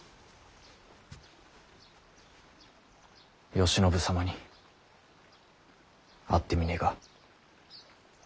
慶喜様に会ってみねぇか。